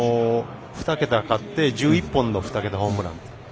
２桁勝って１１本の２桁ホームラン。